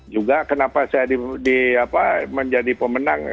juga kenapa saya menjadi pemenang